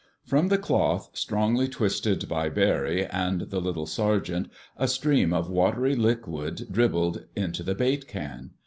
From the cloth, strongly twisted by Barry and the little sergeant, a stream of watery liquid dribbled into the bait can.